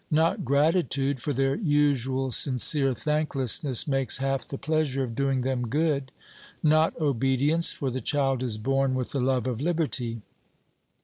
Not gratitude; for their usual sincere thanklessness makes half the pleasure of doing them good. Not obedience; for the child is born with the love of liberty.